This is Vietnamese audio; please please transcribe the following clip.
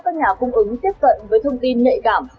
các nhà cung ứng tiếp cận với thông tin nhạy cảm